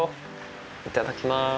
いただきまーす。